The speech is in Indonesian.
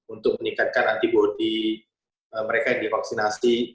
untuk meningkatkan antibody mereka yang divaksinasi